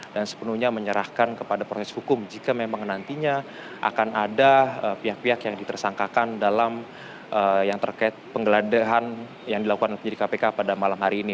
dan sepenuhnya menyerahkan kepada proses hukum jika memang nantinya akan ada pihak pihak yang ditersangkakan dalam yang terkait penggela dehan yang dilakukan oleh penyelidik kpk pada malam hari ini